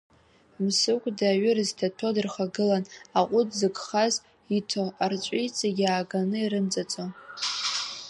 Мсыгәда аҩы рызҭаҭәо, дырхагылан, аҟәыд зыгхаз иҭо, арҵәы иҵегьы ааганы ирымҵаҵо.